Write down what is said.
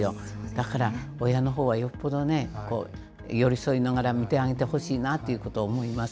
だから親のほうはよっぽどね、寄り添いながら見てあげてほしいなということを思います。